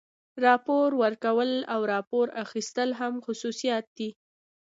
راپور ورکول او راپور اخیستل هم خصوصیات دي.